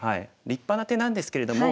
立派な手なんですけれども。